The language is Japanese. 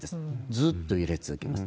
ずっと揺れ続けます。